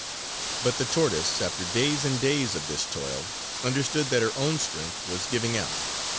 But the tortoise, after days and days of this toil, understood that her own strength was giving out.